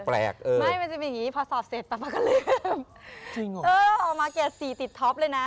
ไม่มันจะเป็นอย่างนี้พอสอบเสร็จต่อมาก็ลืมเออเอามาแก่สี่ติดท็อปเลยนะ